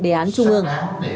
đề án trung ương